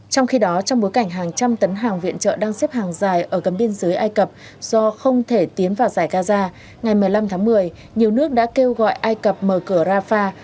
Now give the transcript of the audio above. trong khi đó trong bối cảnh hàng trăm tấn hàng viện trợ đang xếp hàng dài ở gần biên giới ai cập do không thể tiến vào giải gaza ngày một mươi năm tháng một mươi nhiều nước đã kêu gọi ai cập mở cửa rafah